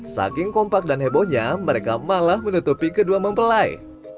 saking kompak dan hebohnya mereka malah menutupi kedua mempelai